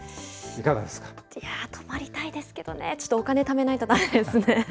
いやぁ、泊まりたいですけどね、ちょっとお金ためないとだめですね。